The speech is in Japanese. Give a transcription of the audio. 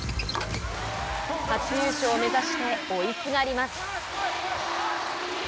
初優勝を目指して追いすがります。